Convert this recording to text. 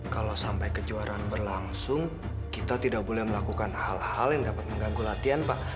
kalau sampai kejuaraan berlangsung kita tidak boleh melakukan hal hal yang dapat mengganggu latihan pak